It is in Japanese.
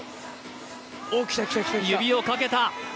指をかけた！